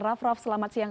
raff raff selamat siang